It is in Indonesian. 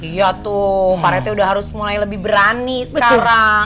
iya tuh pak reti udah harus mulai lebih berani sekarang